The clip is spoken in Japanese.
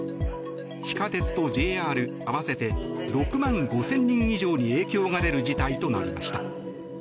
地下鉄とＪＲ合わせて６万５０００人以上に影響が出る事態となりました。